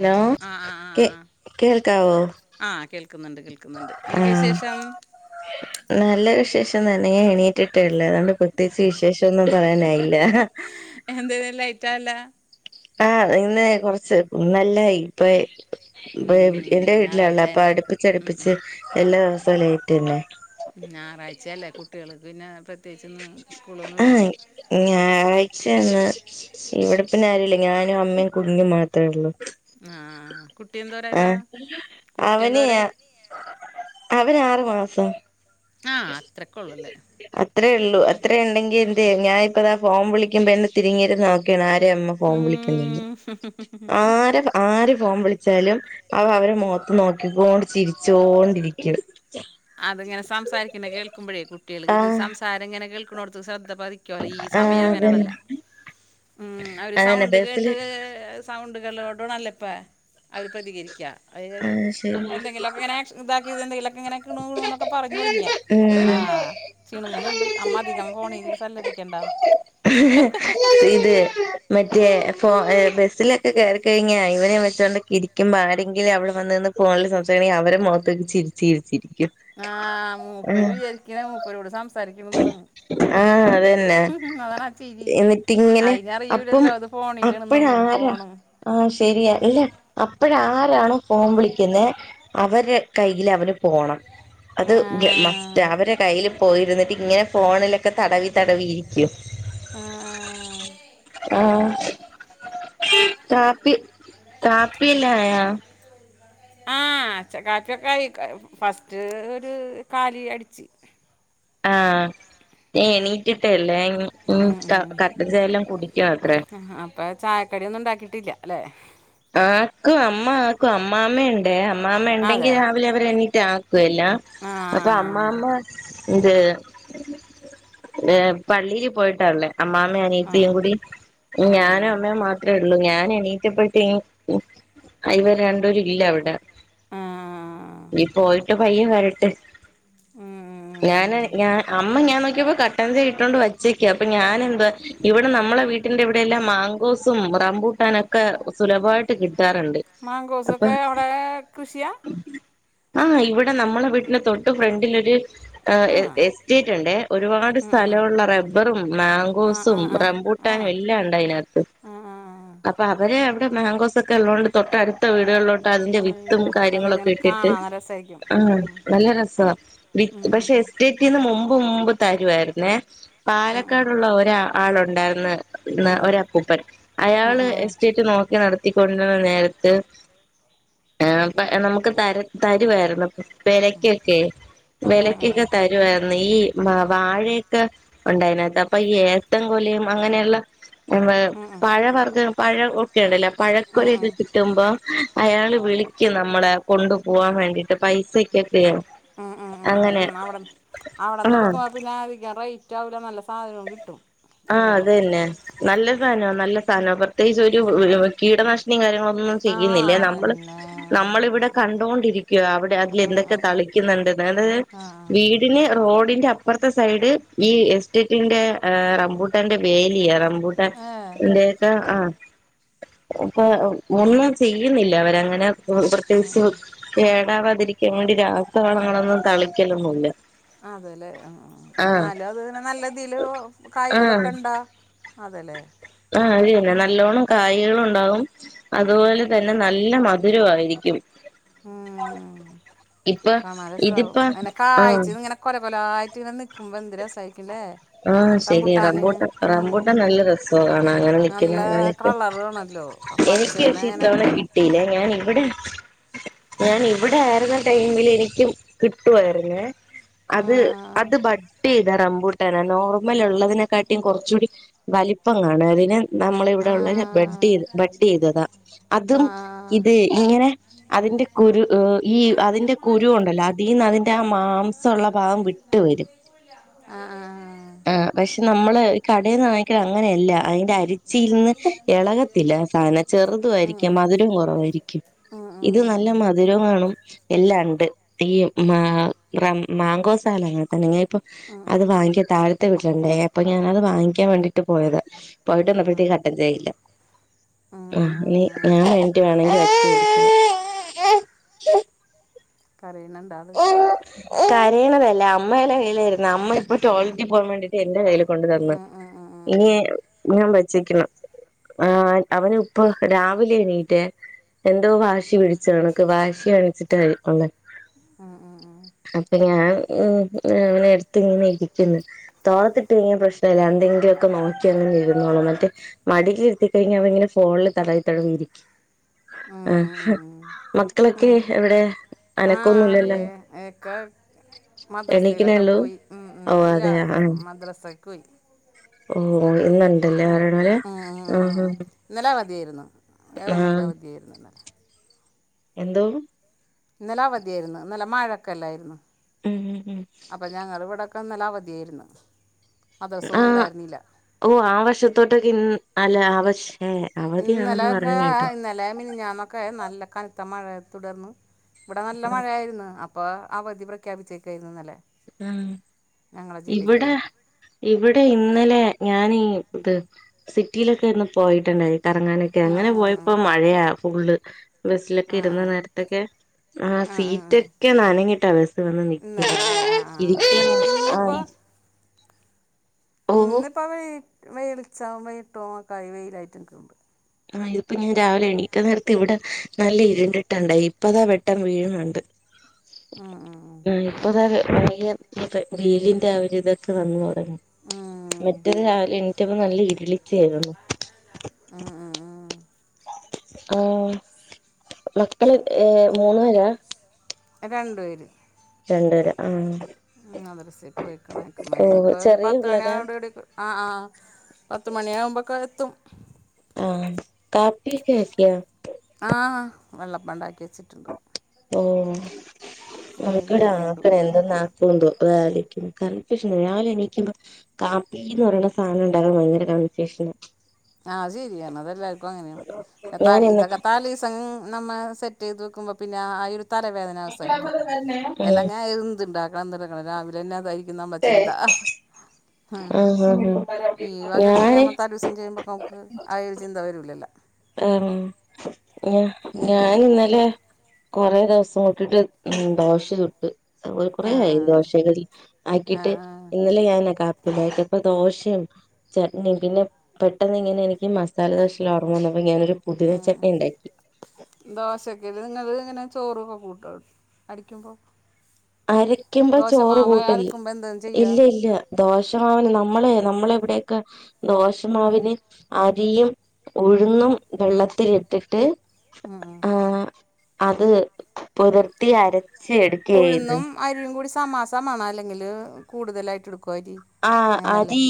Hello ശരി ആഹ് ആഹ കേ ആഹ് കേൾക്കാവോ ആഹ കേൾക്കുന്നുണ്ട് കേൾക്കുന്നുണ്ട് എന്തൊക്കെ ആഹ് വിശേഷം നല്ല വിശേഷം തന്നെ ഞാൻ എണീറ്റിട്ടേള്ളൂ അണ്ട് പ്രത്യേച്ച് വിശേഷൊന്നും പറയാനായില്ല അത ന്തേ ലൈറ്റാണല്ലോ ആഹ നിന്നെ കൊറച്ച് നല്ല ലേയ്റ്റായി എന്റെ വീട്ടിലാണ് ഞായറാഴ്ച അപ്പൊ എൻ്റെ ഉം, ഉം. അടുപ്പിച്ചടുപ്പിച്ച് എല്ലാ ദിവസവും ലെറ്റന്നെ ഞായറാഴ്ചയല്ലേ കുട്ടികൾക്ക് പിന്നെ പ്രത്യേകിച്ചോന്നും സ്കൂളൊന്നും ല്ലല്ലോ ഞായറാഴ്ചാർഞ്ഞാ ഇവിടെ പിന്നെ ആരൂല്ല ഞാനും അമ്മയും കുഞ്ഞും മാത്രള്ളൂ ആഹ കുട്ടി എന്തോരായതാ കുട്ടി എന്തോരായി അതിന് ആറ് മാസം ആഹ അത്രകൊള്ളുല്ലേ അത്രേള്ളൂ അത്ര ഉണ്ടെങ്കിന്തെ ഞാാനിപ്പതാ ഫോം വിളിക്കുമ്പോ എന്നെ തിരിഞ്ഞിരുന്ന് നോക്കാണ് ആരേ അമ്മ ഫോൺ വിളിക്ക്ണത്ന്ന് ഉം. ആരെ ആര് ഫോൻ വിളിച്ചാലും അവന് അവരെ മോത്ത് നോക്കിക്കൊണ്ട് ചിരിച്ചോണ്ടിരിക്കും അത്ങ്ങനെ സംസാരിക്ക്ണ് കേൾക്കുമ്പോഴേ കുട്ടികൾക്ക് ആഹ് സംസാരം ങ്ങനെ കേക്ക്ണോട്ത്ത് ശ്രദ്ധ പതി കുട്ടിയാളെ ഈ സമയം ആഹ് അതന്നെ അങ്ങനെയണല്ലോ ഉം അവര് അതന്നെ സൗണ്ട് ബസ്സില് കേട്ട് സൗണ്ടുകളോടണല്ലേ ഇപ്പ അവര് പ്രതികരിക്ക അവര് ആഹ് ശരി എന്തെങ്കിലുക്കെങ്ങനെ ഇതാക്കിയത് എന്തെങ്കിലൊക്കെ ങ്ങനെ കിണൂ കിണൂന്നൊക്കെ പറ്ഞ്ഞോട്ങ്ങിയാ ഉം ആഹ ചിണുങ്ങ്ണ്ണ്ട് അമ്മ അധികം ഫോണിൽ സല്ലഭിക്കേണ്ടന്ന് ഇത് മറ്റേ ഫോ ഏ ബസ്സിലൊക്കെ കേറി കഴിഞ്ഞാ ഇവനെ വചോണ്ടൊക്കെ ഇരിക്കുമോ ആരെ ആരെങ്കിലും അവിടെ വന്ന് നിന്ന് ഫോണിൽ സംസാരിക്കണെങ്കിൽ അവരെ മുഖത്തേക്ക ചിരിച്ച് രിച്ചിരിക്കും ആഹ് മൂപ്പര് വിചാരിക്ക്ണ് മൂപ്പരോട് സംസാരിക്ക്ണ്ന്നാണ് ആഹ് അതന്നെ അതാണ് ആ ചിരി എന്നിട്ടിങ്ങനെ അപ്പം അയിനറിയൂലല്ലോ അത് ഫോണിലിന്നൊന്നും ഫോണും ആഹ ശരിയ ഇല്ല അപ്പഴ ആ അരാണ് ഫോൺ വിളിക്കുന്നത് അവരെ കയ്യിലവന് പോണം അത് ആ മസ്റ്റാ അവരെ കയ്ല് പോയിര്ന്നിട്ട് ങ്ങനെ ഫോണിലൊക്കെ തടവി തടവിയിരിക്കും ആ യിരിക്കും ആഹ് കാപ്പി കാപ്പില്ലാം ആയാ ആഹ് ച്ച കാപ്പിയൊക്കയി ഫസ്റ്റ് ഒരു കാലി അടിച്ച് ആഹ എണീറ്റിട്ടേളു ഞാ ഇനി ഇനി ഉം, ഉം. കട്ടച്ച എല്ലാം കുടിക്കത്രേ പ്പെയ് ചായക്കടിയൊന്നും ഉണ്ടാക്കിട്ടില്ല അല്ലേ ആക്കും അമ്മ ആക്കും അമ്മാമ്മേണ് ഏ അമ്മാമ്മ ണ്ടെങ്കി അതെ രാവിലവര് എണിറ്റ് ആക്കു ല്ലാം ആ അപ്പൊ അമ്മാമ്മ ന്ത് പള്ളില് പോയിട്ടാള്ളെ അമ്മാമ്മേം ആ അനിയത്തിയും കൂടി ഇനി ആ ആ, ഞാനും അമ്മയും മാത്രമേ ഉള്ളൂ ഞാനെണിറ്റപ്പതെക്കും ആ ഇവര് രണ്ടൂരു ല്ല അവടെ ആ. ഇനി പോയിട്ട് പയ്യെ വരട്ടെ ഞൻ ഉം. ഞ അമ്മ ഞാൻ നോക്കിയപ്പോ കട്ടി ഇട്ടോണ്ട് വച്ചേക്ക അപ്പൊ ഞാനെ എന്താ ഇവിടെ നമ്മളെ വീട്ടിന്റെ ഇവിടെ എല്ലാം മാങ്കോസും റമ്പൂട്ടാനൊക്കെ ഒക്കെ സുലഭമായിട്ട് കിട്ടാറുണ്ട് അപ്പൊ മാങ്കോസൊക്കെ അവിടെ കൃഷിയാ ആഹ് ഇവിടെ നമ്മളെ വീട്ടില് തൊട്ട് ഫ്രണ്ടിലൊരു ആഹ് ആ എസ്റ്റേറ്റ് ഉണ്ട് ഒരുപാട് ഉം, ഉം. സ്ഥലമുള്ള റബ്ബറും ആ ആ മാങ്കോസും ആ ആ റംബൂട്ട ആ, ട്ടാനും എല്ലാണ്ട് അതിനകത്ത് ആ, ആ. അപ്പൊ അവര് അവിടെ മാങ്കോസ് ഒക്കെ ഉള്ളതൊണ്ട് തൊട്ടടുത്ത് ത്ത വീടുകളിലോട്ട് അതിന്റെ വിത്തും അയ്യോ അതങ്ങനെ കാര്യങ്ങളൊക്കെ ഇട്ടിട്ട് കാണാൻ നല്ല രസമായിരിക്കും ആ ഉം. നല്ല രസമാണ് വി ഉം, ഉം, പക്ഷെ എസ്റ്റേറ്റ് തീന്ന് മുമ്പ് മുമ്പ് തരുവായിരുന്നേ ഉം. ഉം, പാലക്കാടുള്ള ഒരു ആളുണ്ടായിര്ന്ന് ഉം. ഒരു അപ്പൂപ്പൻ ഉം, അയാള് ഉം. എസ്റ്റേറ്റ് നോക്കി നടത്തിക്കൊണ്ടിരുന്ന നേരത്ത് ആപ്പ നമുക്ക് തര തരുവായിരുന്നു പേരക്കൊക്കെ ഉം, ഉം. ഉം, ഉം. വിലക്കൊക്കെ തരുവായി ര്ന്ന് ഈ വാഴയൊക്കെ ഉണ്ടായിതിനകത്ത് അപ്പൊ ഏത്തൻ കൊലയും അങ്ങനെയുള്ള ഉം, ഉം. പഴവർഗം പഴ ണ്ടല്ല ഉം, ഉം. പഴക്കൊലൊക്കെ ഉം കിട്ടുമ്പോ അയാള് വിളിക്കും നമ്മളെ കൊണ്ടു പോവാാൻ വേണ്ടിട്ട് പൈസ ക്കോ ഉം ഉം അങ്ങനെ ആഹ് നല്ല റേറ്റ് ആവുല നല്ല സാധനവും കിട്ടും ആഹ് അല്ലേ അത് തന്നെ നല്ല സാധനമാ നല്ല സാധന പ്രത്യേകിച്ച് ഒരു കീടനാശിനിയും കാര്യങ്ങളൊന്നുംന്നും ആഹ് ചെയ്യുന്നില്ല നമ്മള് അതന്നെ നമ്മളിവിടെ കണ്ടൊണ്ടിരിക്ക അവിടെ അതിൽ ഉം എന്തൊക്കെ ഉം തളിക്കുന്നുണ്ട്ത് ആഹ് വീട് ഇന് റോഡിന്റെ അപ്പുറത്തെ സൈഡ് ഈ എസ്റ്റേറ്റ് ട്ടിന്റെ റമ്പൂട്ടാന്റെ വേലിയാ റമ്പൂട്ടാൻ ഏഹ് എന്റെയൊക്കെ ആ അപ്പൊ ഒന്നും ചെയ്യുന്നില്ല അവരങ്ങനെ ഉം പ്രത്യേകിച്ച് ഉം കേടാവാതിരിക്കാൻ വേണ്ടി രാ ഉം അതെല്ലേ ആ ആഹ് എന്നാലും അത് തന്നെ നല്ല ഇതിൽ ആഹ് കായ്കളൊക്കെ ഉണ്ടോ അതല്ലേ ആഹ് അത് തന്നെ നല്ലോണ്ണം കായകളും ഉണ്ടാാവും അതുപോലെ തന്നെ നല്ല മധുരമായിരിക്കും ആഹ് കാണാൻ ഇതിപ്പ രസാവും അങ്ങനെ ആഹ് കായ്ച്ചത് ഇങ്ങനെ കൊല കൊലായിട്ട് ഇങ്ങന നിക്കുമ്പോ എന്തുരസാ ആയിരിക്കില്ലേ ആഹ് ശരിയാ റബൂട്ട റമ്പൂട്ടാൻ നല്ല രസമാണ് കാണാൻ അങ്ങനെ നിക്ക നല്ല കളറു ആണല്ലോ ആ പച്ചേമ ലിങ്ങനെ ഇതവണ കിട്ടീല്ലേ ഞാൻ ഇവിടെ ഞാൻ ഇവിടെ ആയിരുന്ന ടൈമിൽ എനിക്കും കിട്ടുവായിരുന്നേ അത് ആഹ് അത് ബട്ടിചെയ്താ റമ്പൂ നോർമൽ ഉള്ളതിനെക്കാട്ടിയും കൊറച്ച് കൂടി വലിപ്പം കാണും അതിന് നമ്മള ഇവിടെ ഉള്ള ബെഡ് ആഹ് ബെഡ് ചെയ്തതാ അതും ആഹ് ഇത് ഇങ്ങനെ അതിന്റെ കുരു ഈ അതിന്റെ കുരു ഉണ്ടല്ലോ അതിൽ നിന്ന് അതിന്റെ ആ മാംസമുള്ള ഭാഗം വിട്ട് വരും ആഹ് ആഹ് ആഹ് ആഹ് പക്ഷെ നമ്മള് ഈ കടയിൽന്ന് വാങ്ങിക്കുന്നത് അങ്ങനെയല്ല അതിന്റെ അരിച്ചിയിൽ നിന്ന് ഇളകത്തില്ല സാധനം ചെറുതും ആയിരിക്കും ആഹ് മധുരവും കുറവായിരിക്കും ഇത് നല്ല മധുരവും മാണ് എല്ലാം ഉണ്ട് ഈ മ മാങ്കോസായാലും അങ്ങനെ തെന്നെ അപ്പൊ അത് വാങ്ങിക്കാൻ താഴത്തെ വീട്ടിലുണ്ടേ അപ്പൊ ഞാനത് വാങ്ങിക്കാൻ വേണ്ടിട്ട് പോയത പോയിട്ട് വന്നപ്പോഴത്തേ ആഹ് കട്ടം ചെയ്യില്ല ആഹ് ഞാൻ വേണ്ടിട്ട് വേണം കരയുന്നുണ്ടത് കരയണതല്ല അമ്മെടെ കയ്യിലായിരുന്നു അമ്മ ഇപ്പൊ ടോയ്ലറ്റിൽ പോകാൻ വേണ്ടീട്ട് എൻ്റെ കയ്യില് കൊണ്ട് തന്ന് ആഹ് ആഹ് ആഹ് ഇനി ഞാൻ വച്ചേക്കണം ആഹ് അവന് ഇപ്പ രാവിലെ എണീറ്റ് എന്തോ വാശി പിടിച്ച് ച്ച് കണക്ക് വാശി കാണിച്ചിട്ട് വന്ന് ആഹ് ആഹ് അപ്പൊ ഞാൻ ഉം അവനെ എടുത്തിങ്ങനെ ഇരിക്കുന്നു തോളത്തിട്ട കഴിഞ്ഞ പ്രശ്നല്ല എന്തങ്കിലുക്കെ നോക്കി അങ്ങനേ ഇരുന്നോളും മറ്റേ മടിലിരുത്തിക്കഴിഞ്ഞാ അവങ്ങനെ ഫോണിൽ തടവി തടവിയിരിക്കും ആഹ് ഹ മക്കളൊക്കെ എവിടെയ അനക്കൊന്നുല്ലല്ലോ? ഏ എക്കെ മദ്രസയിലൊക്കെ എണീക്കണേള്ളൂ പോയി ഉം ഉം ഓ ഇല്ല അതെ ആഹ് മദ്രസ പൊയി ഓ ഇന്നണ്ട് ഉം..... ഇന്നലെ അവതിയാരുന്ന് ഏവ മിന്റേ ആഹ് അവതിയായിരുന്നു ഇന്നലെ എന്തോ? ഇന്നലെ അവധിയായിരുന്നു ഇന്നലെ മഴൊക്കെല്ലായിരുന്നോ? ഉം ഉം ഉം അപ്പൊ ഞങ്ങ ഇവിടെ അപ്പം ന്നലേ അവധിയാരുന്ന് ആഹ് മദ്രസൊന്നുണ്ടായിരിന്നില്ല ഓ ആ വശത്തോട്ട് കി അല്ല ആ വശേ ഇന്നലൊക്കെ ഇ ന്നലെ മിനിഞ്ഞാന്ന് ക്കെ നല്ല കനത്ത മഴയെ തുടർന്നു ഇവിടെ നല്ല മഴായിരുന്ന് അപ്പ അവധി പ്രഖ്യാപിച്ചേക്കായിരുന്നുന്നല്ലേ. ഉം ഇവിടെ ഇവിടെ ഇന്നലെ ഞാനീ ഇത് സിറ്റിയിലൊക്കെ ഒന്ന് പോയിട്ടുണ്ടായി. കറങ്ങാനൊക്കെ ആ അങ്ങനെ പോയപ്പോ ആ മഴയാ ഫുള്ള് ബസ്സിലൊക്കെ ആ ആ ഇരുന്ന് നേരത്ത് തൊക്കെ ആഹ് ആ ആ ആ ആ. സീറ്റക്കെ നാനഞ്ഞിട്ട ബസ് വന്ന് നിക്ക ഇന്നലെ അല്ലേ ആ ആ ആ. ഇരിക്കആഹ് ഇ ഇന്നിപ്പോൾ ഓ അപ്പം വെയി വെയിലളിച്ചാമയത്തും കയിവെയിലായിട്ടുകുന്ന് ആ ഇതിപ്പോ ഞാൻ രാവിലെ എണീക്ക നേരത്തെ ഇവിടെ നല്ല ഇരുണ്ടിട്ടുണ്ടായി ഇപ്പതാ വെട്ടം വീഴുന്ന്ണ്ട് [unintelligible] ഉം ഉം. ഉം ഇപ്പൊതാ ഭ വെയിലിന്റെ ആവരു ഇതൊക്കെ വന്ന് ഉം ഉം മറ്റേത് രാവിലെ എണീറ്റപ്പം നല്ല ഇരുളിച്ചെരുന്നു ഉം ഉം ഉം ഉം ആഹ്.. മക്കള് ഏ മൂന്ന് ര? രണ്ടു പേര്. രണ്ട്പേര് ആഹ് മദ്രസേ പോയിക്കണ് അക്ക് മാരി ഓഹ് എനക്ക്നൊ രു ചെറിയ പത്ത് പിള്ളേരാ മണിയാവോടിട്കും ആഹ് ആ പത്തുമണിയാകുമ്പോക്കെ എത്തും. ആഹ് കാപ്പിയൊക്കെയാക്യോ? ആഹ് വെള്ളപ്പണ്ടാക്കി വെച്ചിട്ട് ഓ ഇനി അക്കട് കഴിക്കണ്ടു അക്കടെ എന്ത്ന്നാ? [unintelligible] കൊണ്ടോ വ കൺഫ്യുഷനായീ രാവ് ലേഎണീക്കുമ്പോ? കാപ്പിക്ക് ന്ന് പറയണ സാധനം ഉണ്ടാക്കണ ഭയങ്കര കൺഫ്യൂഷന. ആഹ് ശരിയാണ് അതെല്ലാവർക്കും അങ്ങനെയ ഇത ഞാനിന്ന് ഇതൊക്കെ തലസി [unintelligible] നമ്മൾ സെറ്റ് ചെയ്ത് വെക്കുമ്പോൾ പിന്നെ ആയിരത് തലവേദന അവസാനിക്കും എല്ലാം ഉം ഞാൻ എന്തു ഉണ്ടാക്കണംന്ത്ക്കണം രാവിലെ തന്നെ അതായിരിക്ക് നമ്മചിന്ത ആഹ് ആഹ് ആഹ് ഈവകക്കെ പിന്നെ ഞാന് ത ഒരു ദിവസം ചെയ്യുമ്പ നമുക്ക് ആ യര് ചിന്ത വരല്ലല്ലോ ആഹ് ഞാ ഞാൻ ഇന്നലെ കൊറെേ ദിവസം നോക്കീട്ട് ഉം ദോശ ചുട്ട് അതുലെ ആ ആ കുറയായി ദോശകഴി ആ ആക്കിട്ട് ആ ആ ഇന്നലെ ഞാന കാ ഇത്പ്പ ദോശയും ചട്നിയും പിന്നെ പെട്ടെന്നി ങ്ങനെ എനിക്ക് മസാലദോശല്ലാ ഓർമന്ന് പ്പൊ ഞാനൊരു പുതിന ചെട്നി ഉണ്ടാക്കി. ദോശക്ക്നിങ്ങള് ഇങ്ങനെ ചോറൊക്കെ കൂട്ടോ അടിക്കുമ്പോ? അരക്കുമ്പോ ചോറ് ദോശമാവ് കൂട്ടല്ല് അരക്കുമ്പോ എന്താണ് ചെയ്യാ ഇല്ല ഇല്ല ദോഷമാവിന് നമ്മളെ നമ്മളെ എവിടൊക്കെ ദോശമാവിന് അരിയും ഉഴുന്നും വെള്ളത്തിലിട്ടിട്ട് ഉം ആഹ് അത് പുതിർത്തി അരച്ച എടുക്കയായിരുന്നു [unintelligible] അരിയും കൂടി സമാസമാണ് അല്ലെങ്കിൽ കൂടുതലായിട്ട് എടുക്കുവ അരി ആഹ് അങ്ങനല്ലേ അതീ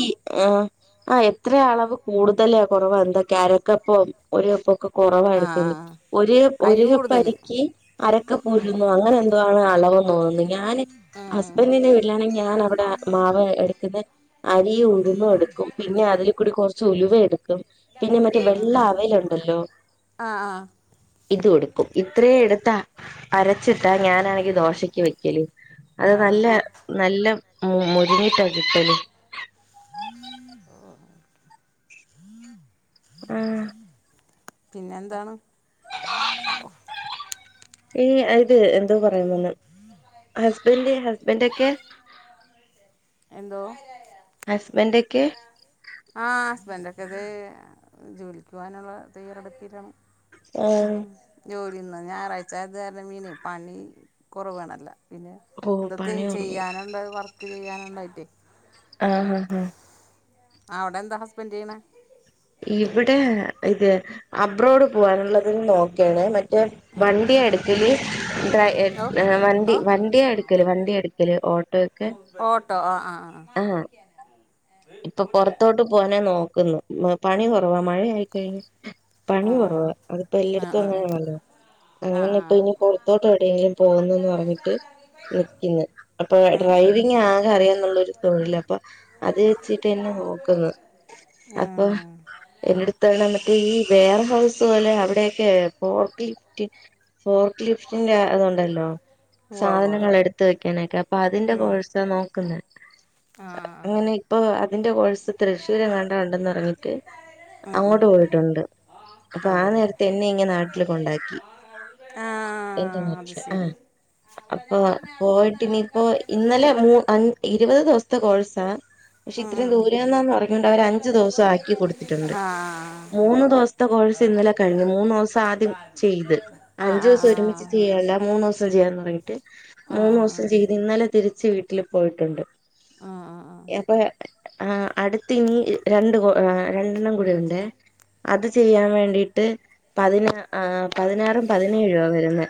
ആഹ് ആഹ് എത്ര അളവ് കൂടുതല കുറവാ എന്താ കരക്കപ്പൊ ഒരു അപ്പക്കെ കുറവാ ആഹ് എടുക്കുന്നത് ആഹ് ഒരു അരി ഒരു കപ്പ് കൂടുതല് അരിക്ക് അരക്കപ്പ് ഉഴുന്ന് അങ്ങനെ എന്തോ ആണ് അളവെന്ന് തോന്നുന്നി ഞാന് ആഹ് ഹസ്ബൻറിന്റെ വീട്ടിലാണെങ്കിൽ ഞാൻ അവിടെ മാവ് എടു ക്കുന്നെ അരി ഉഴുന്നും എടുക്കും പിന്നെ അതിൽ കൂടി കുറച്ച് ഉലുവ എടുക്കും പിന്നെ മറ്റേ ആഹ് വെള്ള അവലുണ്ടല്ലോ ആഹ് ആഹ് ആഹ് ഇത് കൊടുക്കും ഇത്രയും എടുത്ത അരച്ചിട്ടാ ഞാനാണെങ്കി ദോശക്ക് വയ്ക്കല് അത് ആഹ് ആഹ് നല്ല ആഹ് നല്ല മൊരിഞ്ഞിട്ടാ കിട്ടല് [inaudible] ആഹ് പിന്നെ എന്താണ് ഈ അത് എന്തോ പറയവന്ന് ഹസ്ബന്റ് ഹസ്ബൻ്റൊക്കെ എന്തോ ഹസ്ബൻഡ് ആഹ് ഹസ്ബന്റ് ഒക്കെ ദേ ജോലിക്കുപനുള്ള തയ്യറെടുപ്പിലാണ് ഉം ആഹ് ജോലിന്ന് ഞായറാഴ്ച അത് കാരണം മീനേ പണി കുറവേണല്ല പിന്നെ ഓ എന്തൊക്കെയ പണിയൊറങ്ങു ചെയ്യാനുണ്ട് വർക്ക് ചെയ്യാനുണ്ടായിട്ടേ ആഹ് ആഹ് ആഹ് ആഹ് അവിടെ എന്താ ഹസ്ബന്റ് ചെയ്യണേ ഇവിടെ ഇത് അബ്രോഡ് പോവാനുള്ളതിൽ നോക്കാണേ മറ്റേ വണ്ടിയ എടുക്കല് ഡ്രൈ ഓ ഓ വണ്ടി വണ്ടിയ എടുക്കല് വണ്ടി എടുക്ക ല് ഓട്ടോ ഒക്കെ ഓട്ടോ ആഹ് ആഹ് ആഹ് ആഹ് ഇപ്പൊ പുറത്തോട്ട് പോനെ നോക്കുന്നു പണി കുറവാ മഴയ ആ പണി കുറവ ആ അതിപ്പോ എല്ലായിടത്തും ആ അങ്ങനെല്ലോ ആ ആ അങ്ങനെ ആ ആ ഇപ്പ ഇനിപ്പോ ത്തോട്ട് എവിടെയെങ്കിലും പോകുന്നന്ന് പറഞ്ഞിട്ട് നിക്കുന്നു അപ്പൊ ഉം ഉം ഡ്രൈവിങ് ആകെ അറിയാന്നുള്ളൊരു തൊഴില് അപ്പൊ അത് വച്ചിട്ടന്നെ നോക്കുന്നു ആ അപ്പൊ എന്റെ അടുത്തണ മറ്റേ ഈ വെയർ ഹൗസ് പോലെ അവിടെക്കെ ഫോർട്ടി ലിഫ്റ്റി ഫോർട്ട് ലിഫ്റ്റിന്റെ അതൊണ്ടല്ലോ ഉവ്വ ഉവ്വ സാധനങ്ങൾ ഉവ്വ എടുത്ത വെക്കാനൊക്കെ അപ്പൊ അതിന്റെ ഉം കോഴ്സ നോക്കുന്നെ ആ ആ അങ്ങനെ ഇപ്പൊ അതിന്റെ കോഴ്സ് തൃശ്ശൂര്ങ്ങാണ്ട ഉണ്ടെന്ന് അറിഞ്ഞിട്ട് ആ ഉം ഉം അങ്ങോട്ട് പോയിട്ടുണ്ട് അപ്പൊ ആഹ് അതല്ലേ നേരത്തെ എന്നെ ഇങ്ങ് നാട്ടില് കൊണ്ടാക്കി ആ എന്റെ അത് നാട്ടിൽ ആഹ് ശരി അപ്പൊ പോയിട്ട് ഇനിപ്പോ ഇന്നലെ മൂ അ ഇരുപത് ദിവസത്തെ കോഴ്സാ പക്ഷെ ഉം ഇത്രയും ഉം ദൂരന്നാന്ന് അറിഞ്ഞോണ്ട് അവര് അഞ്ചു ദിവസം ആക്കി കൊടുത്തിട്ടുണ്ട് ആഹ് മൂന്ന് ദിവസം ത്തെ കോഴ്സ് ഇന്നലെ കഴിഞ്ഞു മൂന്ന് ദിവസം ആദ്യം ചെയ്ത് ആഹ് അഞ്ച് ദിവസം ഒരുമിച്ച് ആഹ് ചെയ്യല്ല മൂന്ന് ദിവസം ചെയ്യാന്ന് പറു മൂന്ന് ആഹ് ആഹ് ദിവസം ചെയ്ത് ഇന്നലെ തിരിച്ച് വീട്ടിൽ പോയിട്ടുണ്ട് ആഹ് ആഹ് ആഹ് അപ്പൊ ആഹ് അടുത്ത് ഇനി രണ്ട് കോ രണ്ടെണ്ണം കൂടി ഉണ്ടേ അത് ചെയ്യാൻ വേണ്ടിട്ട് പതിന ആഹ് പതിനാറും പതിനേഴും ആഹ് വരുന്നെ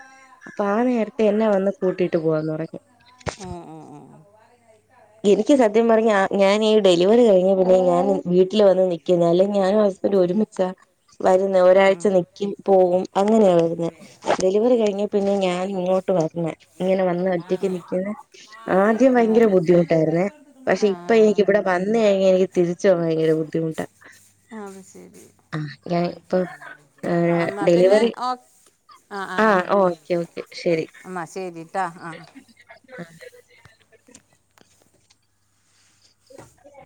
അപ്പൊ ആഹ് നേരത്തെ എന്നെ വന്ന് കൂട്ടിട്ട് പോവാന്ന് പറഞ്ഞ് ഉം ഉം ഉം ഉം എനിക്ക് സത്യം പറഞ്ഞ ഞാൻ ഈ ഡെലിവറി കഴിഞ്ഞ പിന്നെ ഞാൻ വീട്ടിൽ വന്ന് നിക്കുന്ന അല്ല ഞാൻ ഒരു ഒരുമിച്ച വരുന്ന് ഒരാഴ്ച നിക്കും പോവും അങ്ങനെയാണ് വരുന്നത് ഡെലിവറി കഴിഞ്ഞേ പിന്നെ ഞാൻ ഇങ്ങോട്ട് വന്നേ ഇങ്ങനെ വന്ന് ഒറ്റക്ക് നിക്കുന്നെ ആദ്യം ഭയങ്കര ബുദ്ധിമുട്ട് ന്നേ പക്ഷെ ഇപ്പം എനിക്ക് ആഹ് ഇവിടെ വന്ന് കഴിഞ് എനിക്ക് തിരിച്ച് പോവാൻ ഭയങ്കര ബുദ്ധിമുട്ടാ അയ് ശരി ആ ഞാൻ ഇപ്പൊ എന്നാ പിന്നെ ഡെലിവറി ഓ ആഹ് ആ ആഹ് ആഹ് ഓക്കെ ഓക്കെ ശരി എന്നാ ശരി ട്ടെ ആഹ് ആഹ് ആ